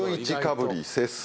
ぶり「節水」